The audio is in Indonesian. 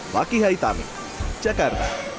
bagi hai tami cekar